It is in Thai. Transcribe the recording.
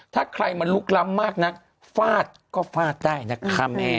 ถ้าใครมันลุกล้ำมากนักฟาดก็ฟาดได้นะคะแม่